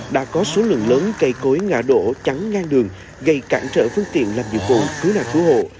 đã có số lượng lớn cây cối ngã đổ chắn ngang đường gây cản trở phương tiện làm dụng cụ cứu nạc cứu hộ